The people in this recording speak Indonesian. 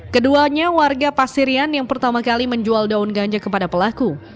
keduanya warga pasirian yang pertama kali menjual daun ganja kepada pelaku